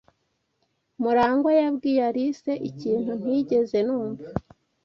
Murangwa yabwiye Alice ikintu ntigeze numva.